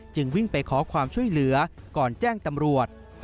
จึงวิ่งไปขอความช่วยเหลือก่อนแจ้งตำรวจ